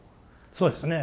そうですね。